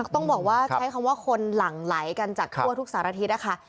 ต้องบอกว่าใช้คำว่าคนหลั่งไหลกันจากทั่วทุกสารทิศนะคะ